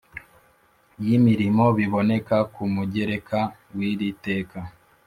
y imirimo biboneka ku mugereka w iri teka